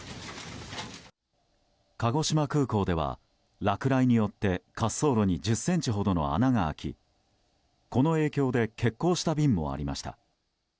鹿児島空港では落雷によって滑走路に１０ｃｍほどの穴が開きこの影響で欠航した便もありました。